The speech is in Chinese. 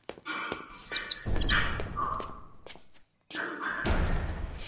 妳赶快回来